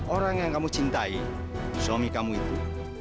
orang yang kamu cintai suami kamu itu